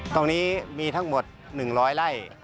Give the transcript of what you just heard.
ตรงนี้มีทั้งหมด๑๐๐ไร่